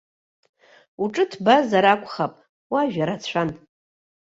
Уҿы ҭбазар акәхап, уажәа рацәан.